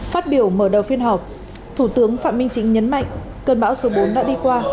phát biểu mở đầu phiên họp thủ tướng phạm minh chính nhấn mạnh cơn bão số bốn đã đi qua